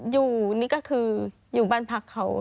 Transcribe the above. อยู่นี่ก็คืออยู่บ้านพักเขา